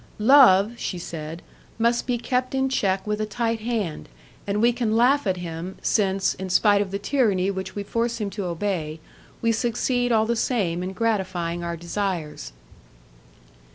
"Love," she said, "must be kept in check with a tight hand, and we can laugh at him, since, in spite of the tyranny which we force him to obey, we succeed all the same in gratifying our desires."